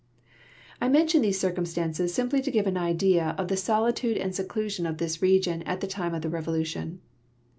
I mention these circumstances simply to give an idea of the solitude and seclusion of this region at the time of the Revolution.